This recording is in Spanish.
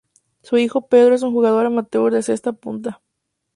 Su hijo "Pedro" es un jugador amateur de cesta punta.